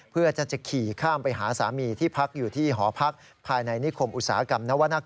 เพื่อจะขี่ข้ามไปหาสามีที่พักอยู่ที่หอพักภายในนิคมอุตสาหกรรมนวรรณค